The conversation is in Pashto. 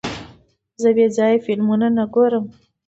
زه بېځایه فلمونه نه ګورم.